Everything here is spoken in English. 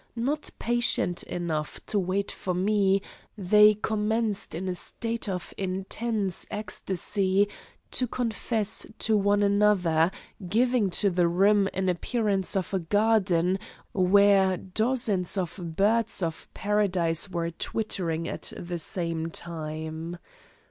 Not patient enough to wait for me, they commenced in a state of intense ecstasy to confess to one another, giving to the room an appearance of a garden where dozens of birds of paradise were twittering at the same time.